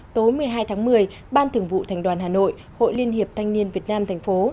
tối một mươi hai tháng một mươi ban thưởng vụ thành đoàn hà nội hội liên hiệp thanh niên việt nam thành phố